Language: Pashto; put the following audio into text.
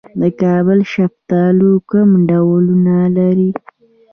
د کابل شفتالو کوم ډولونه لري؟